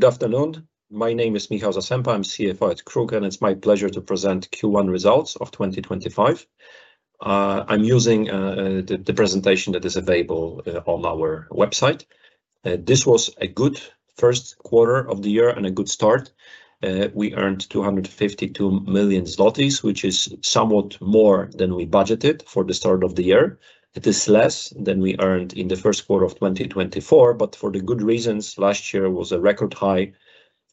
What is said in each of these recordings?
Good afternoon. My name is Michal Zasepa. I'm CFO at KRUK, and it's my pleasure to present Q1 results of 2025. I'm using the presentation that is available on our website. This was a good first quarter of the year and a good start. We earned 252 million zlotys, which is somewhat more than we budgeted for the start of the year. It is less than we earned in the first quarter of 2024, for the good reasons, last year was a record high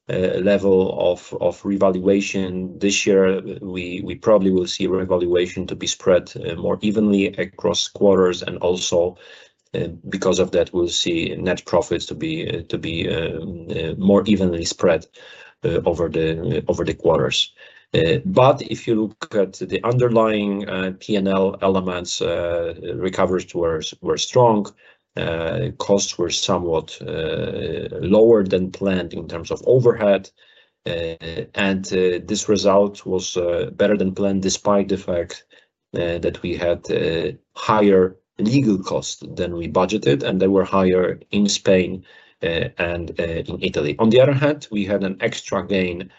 level of revaluation. This year, we probably will see revaluation to be spread more evenly across quarters. Also, because of that, we'll see net profits to be more evenly spread over the quarters. If you look at the underlying P&L elements, recoveries were strong. Costs were somewhat lower than planned in terms of overhead. This result was better than planned despite the fact that we had higher legal costs than we budgeted, and they were higher in Spain and in Italy. On the other hand, we had an extra gain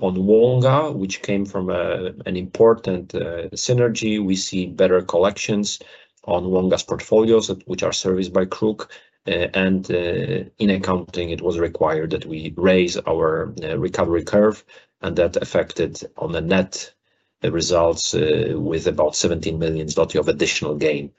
on Wonga, which came from an important synergy. We see better collections on Wonga's portfolios, which are serviced by KRUK. In accounting, it was required that we raise our recovery curve, and that affected the net results, with about 17 million zloty of additional gain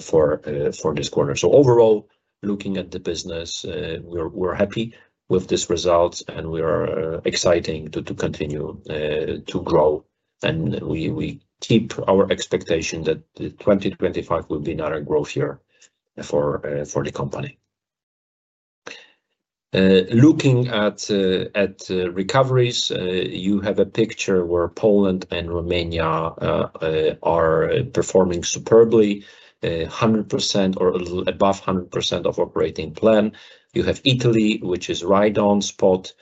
for this quarter. Overall, looking at the business, we're happy with this result, and we are excited to continue to grow. We keep our expectation that 2025 will be another growth year for the company. Looking at recoveries, you have a picture where Poland and Romania are performing superbly, 100% or a little above 100% of operating plan. You have Italy, which is right on spot,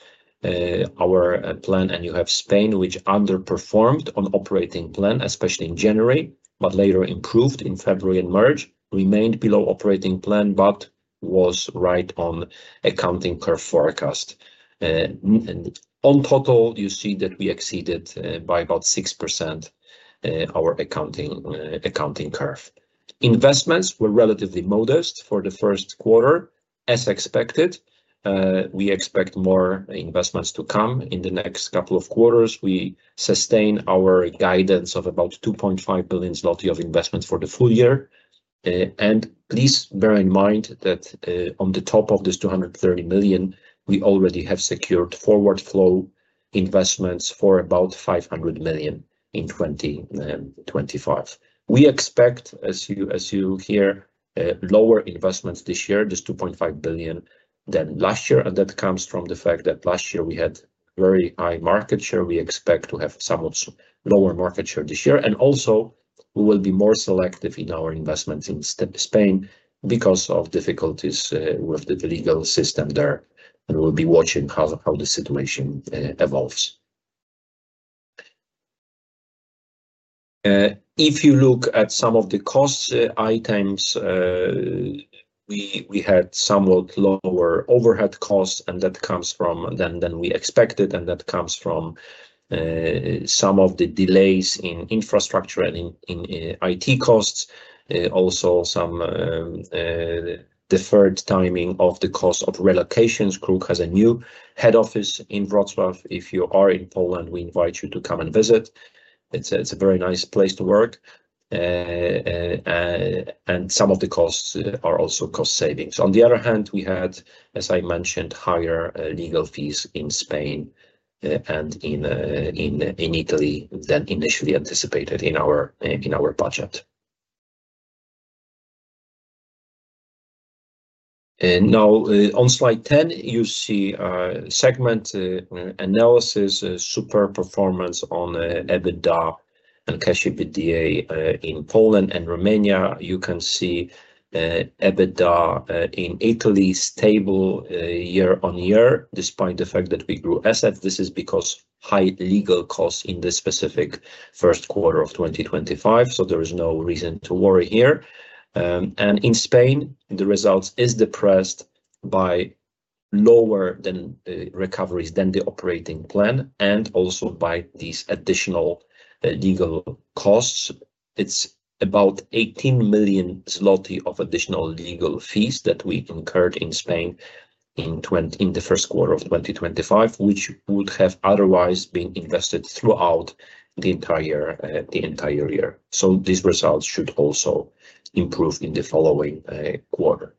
our plan, and you have Spain, which underperformed on operating plan, especially in January, but later improved in February and March, remained below operating plan, but was right on accounting curve forecast. On total, you see that we exceeded, by about 6%, our accounting curve. Investments were relatively modest for the first quarter, as expected. We expect more investments to come in the next couple of quarters. We sustain our guidance of about 2.5 billion zloty of investment for the full year. Please bear in mind that, on the top of this 230 million, we already have secured forward flow investments for about 500 million in 2025. We expect, as you hear, lower investments this year, this 2.5 billion than last year. That comes from the fact that last year we had very high market share. We expect to have somewhat lower market share this year. Also, we will be more selective in our investments in Spain because of difficulties with the legal system there. We will be watching how the situation evolves. If you look at some of the cost items, we had somewhat lower overhead costs than we expected. That comes from some of the delays in infrastructure and in IT costs. Also, some deferred timing of the cost of relocations. KRUK has a new head office in Wrocław. If you are in Poland, we invite you to come and visit. It's a very nice place to work. Some of the costs are also cost savings. On the other hand, we had, as I mentioned, higher legal fees in Spain and in Italy than initially anticipated in our budget. Now, on slide 10, you see segment analysis, super performance on EBITDA and cash EBITDA in Poland and Romania. You can see EBITDA in Italy, stable year on year, despite the fact that we grew assets. This is because high legal costs in the specific first quarter of 2025. There is no reason to worry here. In Spain, the results are depressed by lower than recoveries than the operating plan and also by these additional legal costs. It is about 18 million zloty of additional legal fees that we incurred in Spain in the first quarter of 2025, which would have otherwise been invested throughout the entire year. These results should also improve in the following quarter.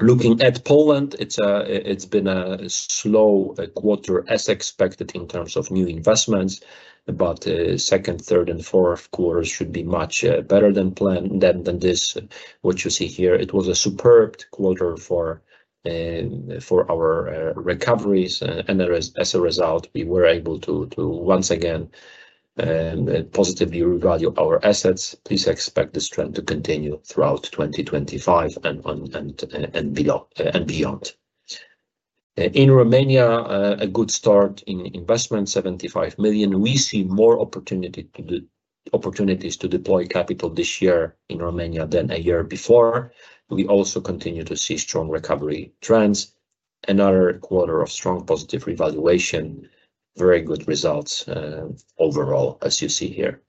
Looking at Poland, it's been a slow quarter, as expected in terms of new investments, but second, third, and fourth quarters should be much better than planned, than this, what you see here. It was a superb quarter for our recoveries. As a result, we were able to once again positively revalue our assets. Please expect this trend to continue throughout 2025 and beyond. In Romania, a good start in investment, 75 million. We see more opportunities to deploy capital this year in Romania than a year before. We also continue to see strong recovery trends, another quarter of strong positive revaluation, very good results overall, as you see here.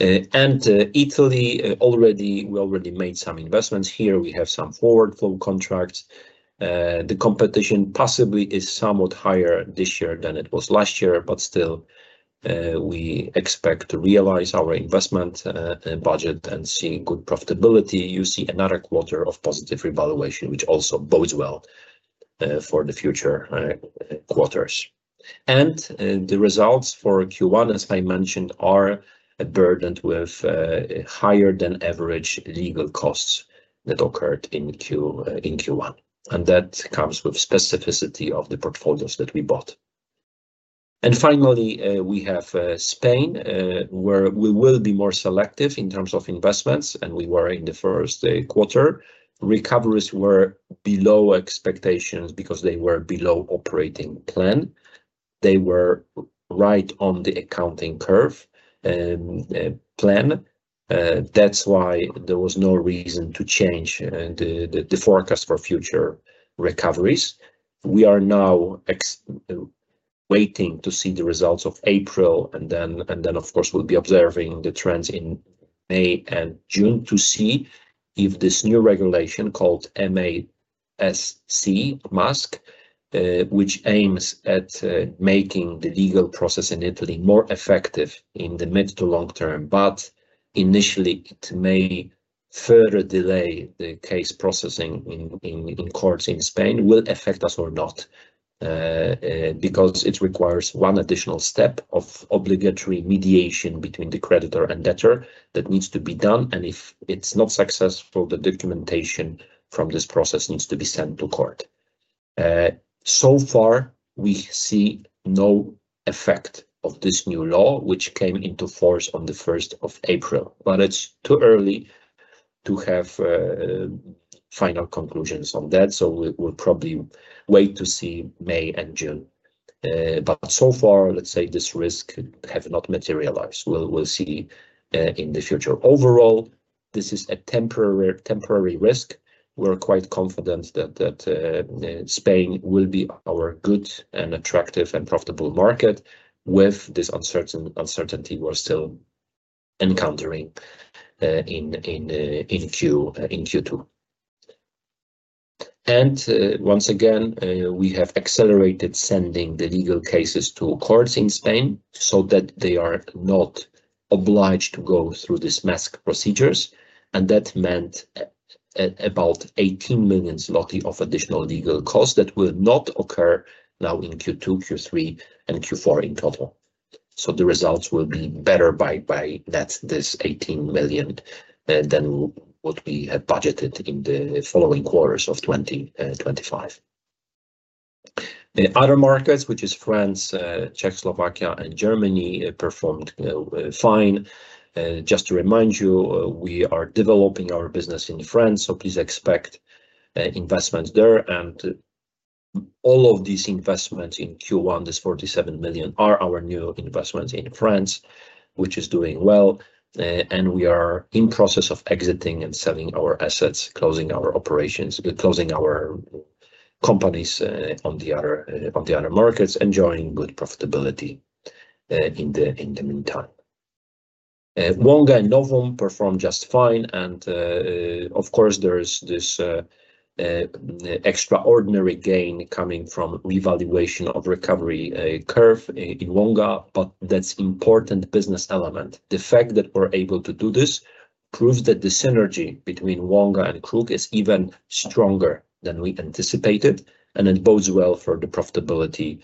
Italy, we already made some investments here. We have some forward flow contracts. The competition possibly is somewhat higher this year than it was last year, but still, we expect to realize our investment budget and see good profitability. You see another quarter of positive revaluation, which also bodes well for the future quarters. The results for Q1, as I mentioned, are burdened with higher than average legal costs that occurred in Q1. That comes with specificity of the portfolios that we bought. Finally, we have Spain, where we will be more selective in terms of investments. We were in the first quarter. Recoveries were below expectations because they were below operating plan. They were right on the accounting curve plan. That is why there was no reason to change the forecast for future recoveries. We are now waiting to see the results of April. Then, of course, we'll be observing the trends in May and June to see if this new regulation called MASC, MASC, which aims at making the legal process in Italy more effective in the mid to long term, but initially it may further delay the case processing in courts in Spain, will affect us or not, because it requires one additional step of obligatory mediation between the creditor and debtor that needs to be done. If it's not successful, the documentation from this process needs to be sent to court. So far, we see no effect of this new law, which came into force on the 1st of April, but it's too early to have final conclusions on that. We will probably wait to see May and June. So far, let's say this risk could have not materialized. We'll see, in the future. Overall, this is a temporary risk. We're quite confident that Spain will be our good and attractive and profitable market with this uncertainty we're still encountering in Q2. Once again, we have accelerated sending the legal cases to courts in Spain so that they are not obliged to go through these MASC procedures. That meant about 18 million zloty of additional legal costs that will not occur now in Q2, Q3, and Q4 in total. The results will be better by that 18 million than what we had budgeted in the following quarters of 2025. The other markets, which is France, Czechoslovakia, and Germany, performed fine. Just to remind you, we are developing our business in France, so please expect investments there. All of these investments in Q1, this 47 million, are our new investments in France, which is doing well. We are in process of exiting and selling our assets, closing our operations, closing our companies, on the other markets, enjoying good profitability in the meantime. Wonga and Novum performed just fine. Of course, there is this extraordinary gain coming from revaluation of recovery curve in Wonga, but that is an important business element. The fact that we are able to do this proves that the synergy between Wonga and KRUK is even stronger than we anticipated, and it bodes well for the profitability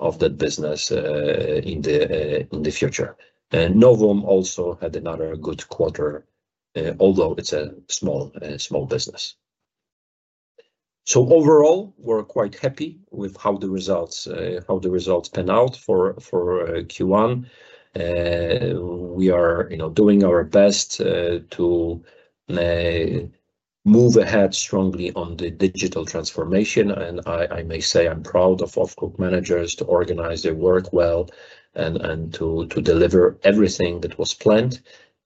of that business in the future. Novum also had another good quarter, although it is a small, small business. Overall, we are quite happy with how the results pan out for Q1. We are, you know, doing our best to move ahead strongly on the digital transformation. I may say I'm proud of KRUK managers to organize their work well and to deliver everything that was planned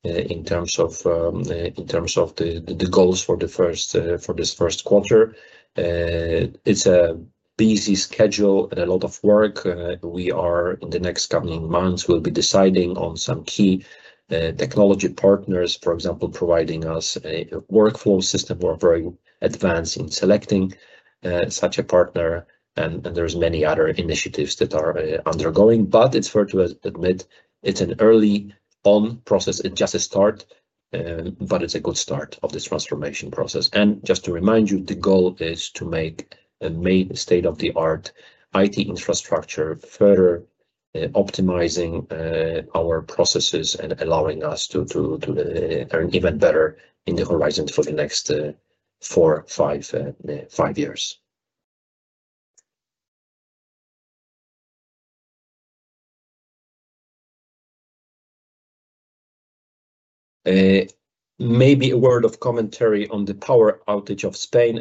in terms of the goals for this first quarter. It's a busy schedule and a lot of work. We are, in the next coming months, deciding on some key technology partners, for example, providing us a workflow system. We're very advanced in selecting such a partner. There are many other initiatives that are undergoing, but it's fair to admit it's an early on process. It just started, but it's a good start of this transformation process. Just to remind you, the goal is to make a state-of-the-art IT infrastructure, further optimizing our processes and allowing us to earn even better in the horizon for the next four, five, five years. Maybe a word of commentary on the power outage of Spain.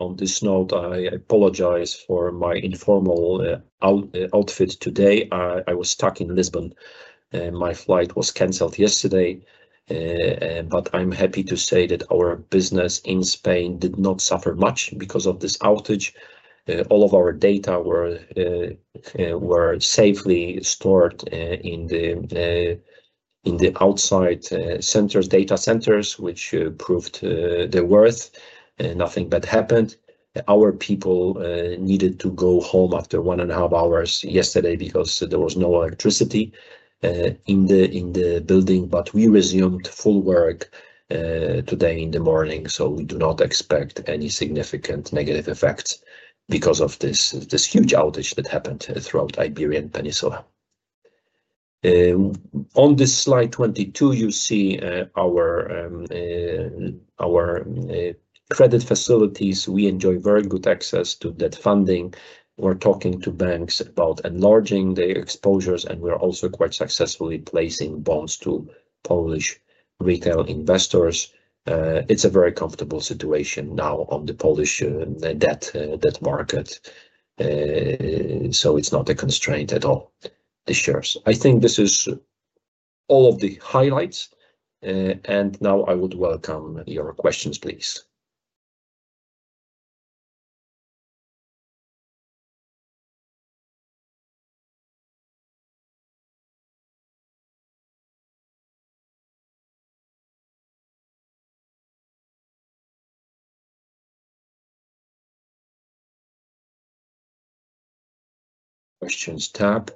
On this note, I apologize for my informal outfit today. I was stuck in Lisbon. My flight was canceled yesterday, but I am happy to say that our business in Spain did not suffer much because of this outage. All of our data were safely stored in the outside centers, data centers, which proved their worth. Nothing bad happened. Our people needed to go home after one and a half hours yesterday because there was no electricity in the building, but we resumed full work today in the morning. We do not expect any significant negative effects because of this huge outage that happened throughout the Iberian Peninsula. On this slide 22, you see our credit facilities. We enjoy very good access to that funding. We're talking to banks about enlarging the exposures, and we're also quite successfully placing bonds to Polish retail investors. It's a very comfortable situation now on the Polish debt market, so it's not a constraint at all this year. I think this is all of the highlights. I would welcome your questions, please. Questions tab.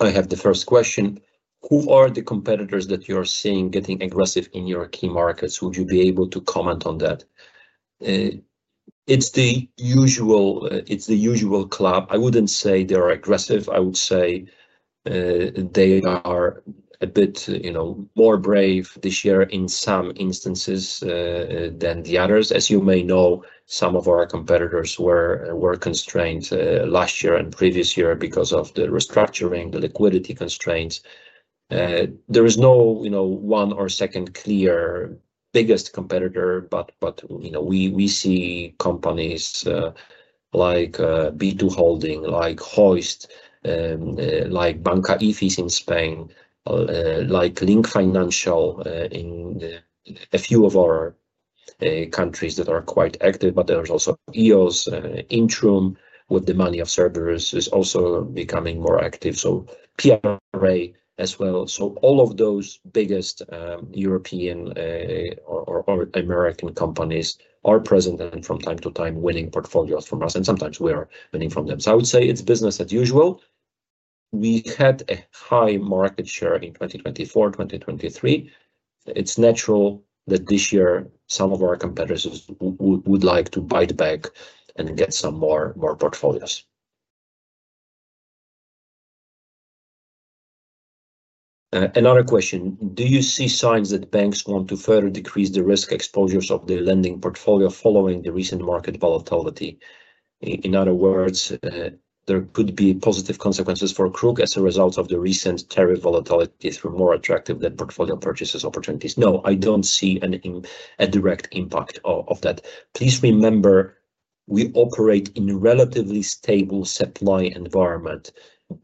I have the first question. Who are the competitors that you're seeing getting aggressive in your key markets? Would you be able to comment on that? It's the usual, it's the usual club. I wouldn't say they're aggressive. I would say, they are a bit, you know, more brave this year in some instances, than the others. As you may know, some of our competitors were constrained last year and previous year because of the restructuring, the liquidity constraints. There is no, you know, one or second clear biggest competitor, but, but, you know, we, we see companies, like, B2 Holding, like Hoist, like Banca IFIS in Spain, like Link Financial, in, a few of our, countries that are quite active. There is also EOS, Intrum with the money of Cerberus is also becoming more active. PRA as well. All of those biggest, European, or, or, or American companies are present and from time to time winning portfolios from us. Sometimes we are winning from them. I would say it's business as usual. We had a high market share in 2024, 2023. It's natural that this year some of our competitors would like to bite back and get some more portfolios. Another question. Do you see signs that banks want to further decrease the risk exposures of the lending portfolio following the recent market volatility? In other words, there could be positive consequences for KRUK as a result of the recent tariff volatility through more attractive than portfolio purchases opportunities. No, I don't see any direct impact of that. Please remember we operate in a relatively stable supply environment.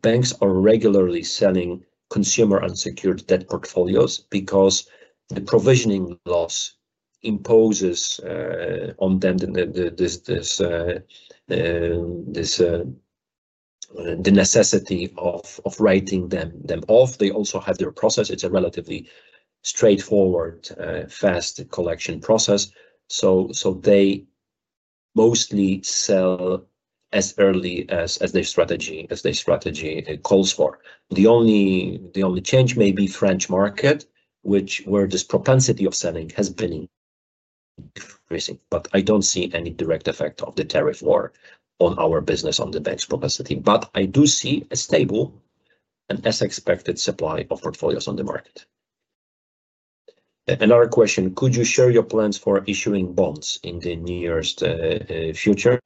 Banks are regularly selling consumer unsecured debt portfolios because the provisioning loss imposes on them the necessity of writing them off. They also have their process. It's a relatively straightforward, fast collection process. They mostly sell as early as their strategy calls for. The only change may be French market, which where this propensity of selling has been increasing, but I don't see any direct effect of the tariff war on our business, on the bank's propensity. I do see a stable and as expected supply of portfolios on the market. Another question. Could you share your plans for issuing bonds in the nearest future?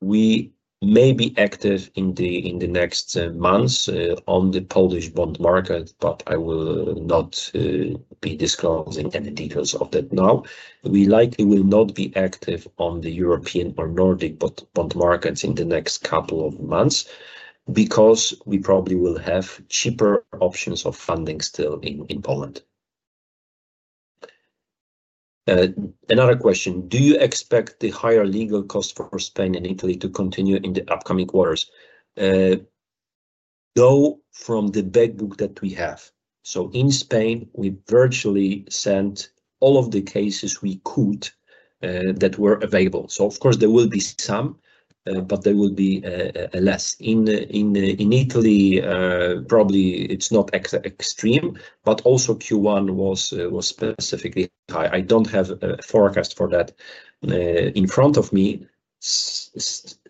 We may be active in the next months on the Polish bond market, but I will not be disclosing any details of that now. We likely will not be active on the European or Nordic bond markets in the next couple of months because we probably will have cheaper options of funding still in Poland. Another question. Do you expect the higher legal costs for Spain and Italy to continue in the upcoming quarters? Go from the back book that we have. In Spain, we virtually sent all of the cases we could, that were available. Of course there will be some, but there will be less in Italy. Probably it's not extreme, but also Q1 was specifically high. I don't have a forecast for that in front of me.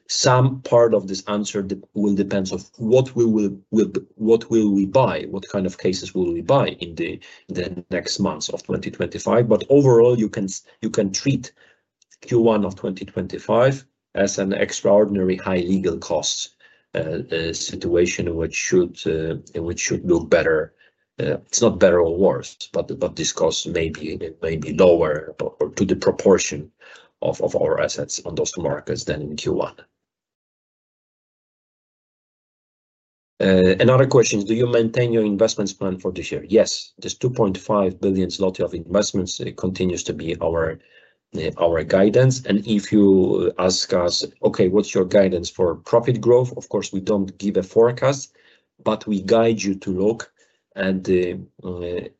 Some part of this answer will depend on what we will, what will we buy, what kind of cases will we buy in the next months of 2025. Overall, you can treat Q1 of 2025 as an extraordinary high legal costs situation, which should look better. It's not better or worse, but this cost may be lower or to the proportion of our assets on those markets than in Q1. Another question. Do you maintain your investments plan for this year? Yes. This 2.5 billion zloty of investments continues to be our, our guidance. If you ask us, okay, what's your guidance for profit growth? Of course, we don't give a forecast, but we guide you to look at the,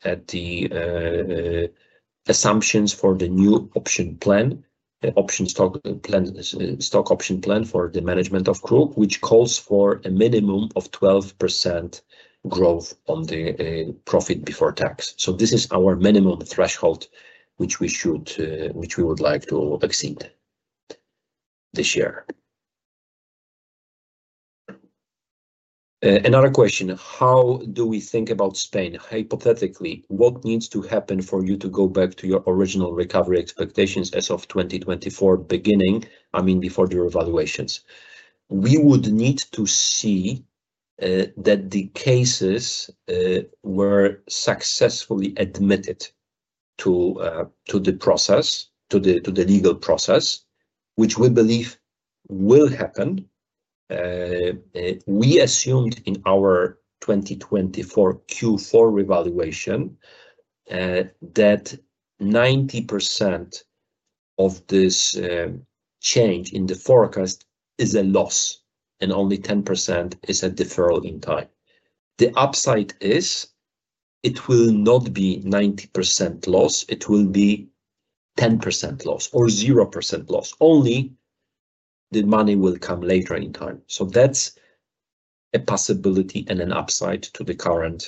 at the, assumptions for the new option plan, option stock plan, stock option plan for the management of KRUK, which calls for a minimum of 12% growth on the, profit before tax. This is our minimum threshold, which we should, which we would like to exceed this year. Another question. How do we think about Spain? Hypothetically, what needs to happen for you to go back to your original recovery expectations as of 2024 beginning, I mean, before the revaluations? We would need to see that the cases were successfully admitted to, to the process, to the, to the legal process, which we believe will happen. We assumed in our 2024 Q4 revaluation that 90% of this change in the forecast is a loss and only 10% is a deferral in time. The upside is it will not be 90% loss. It will be 10% loss or 0% loss. Only the money will come later in time. That is a possibility and an upside to the current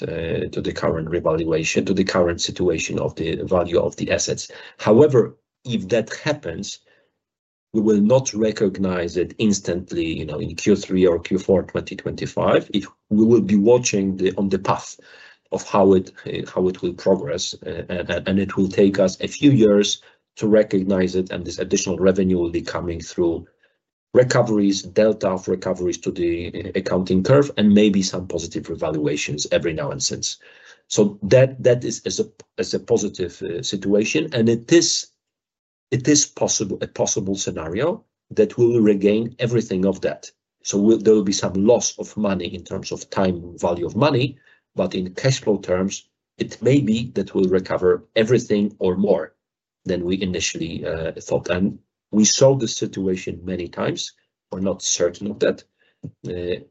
revaluation, to the current situation of the value of the assets. However, if that happens, we will not recognize it instantly, you know, in Q3 or Q4 2025. It will be watching the path of how it will progress, and it will take us a few years to recognize it. This additional revenue will be coming through recoveries, delta of recoveries to the accounting curve, and maybe some positive revaluations every now and since. That is a positive situation. It is possible, a possible scenario that we will regain everything of that. There will be some loss of money in terms of time value of money, but in cash flow terms, it may be that we will recover everything or more than we initially thought. We saw the situation many times. We are not certain of that.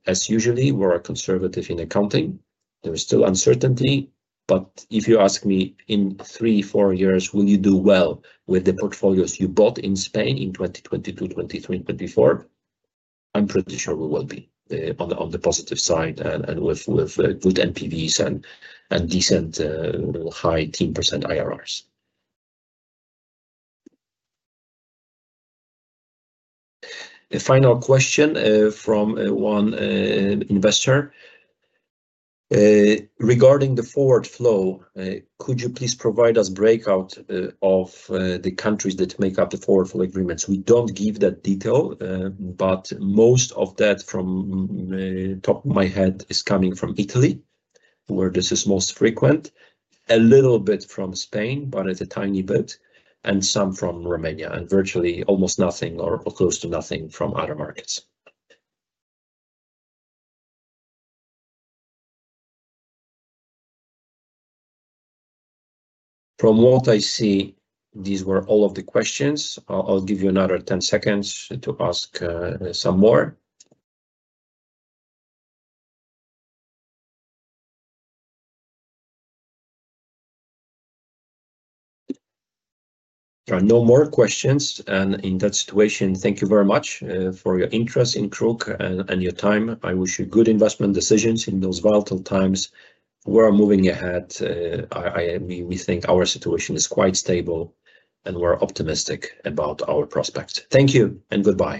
As usually, we are conservative in accounting. There is still uncertainty. If you ask me in three, four years, will you do well with the portfolios you bought in Spain in 2022, 2023, 2024? I am pretty sure we will be on the positive side and with good NPVs and decent, high 10% IRRs. A final question from one investor regarding the forward flow. Could you please provide us breakout of the countries that make up the forward flow agreements? We don't give that detail, but most of that from, top of my head, is coming from Italy, where this is most frequent, a little bit from Spain, but it's a tiny bit, and some from Romania, and virtually almost nothing or close to nothing from other markets. From what I see, these were all of the questions. I'll give you another 10 seconds to ask some more. There are no more questions. In that situation, thank you very much for your interest in KRUK and your time. I wish you good investment decisions in those volatile times. We're moving ahead. We think our situation is quite stable and we're optimistic about our prospects. Thank you and goodbye.